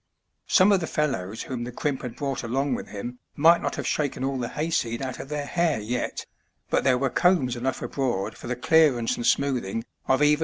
Some of the fellows whom the crimp had brought along with him might not have shaken all the hayseed out of their hair yet, but there were combs enough abroad for the clearance and smoothing of even A LUMINOUS SAILOR.